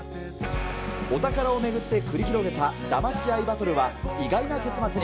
お宝を巡って繰り広げただまし合いバトルは、意外な結末に。